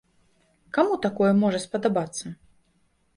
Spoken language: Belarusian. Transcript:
Каму такое можа спадабацца?